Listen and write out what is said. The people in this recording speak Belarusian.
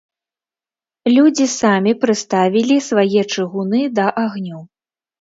Людзі самі прыставілі свае чыгуны да агню.